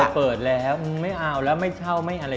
เปิดแล้วไม่เอาแล้วไม่เช่าไม่อะไร